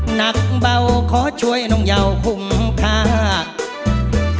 หนักเบาขอช่วยน้องเยาคุ้มค่า